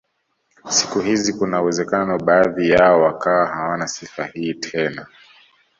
Siku hizi kuna uwezekano baadhi yao wakawa hawana sifa hii tena